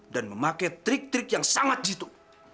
dan memakai trik trik yang sangat jitu